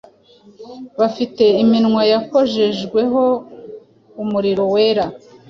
bafite iminwa yakojejweho umuriro wera.